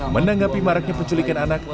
menanggapi maraknya penculikan anak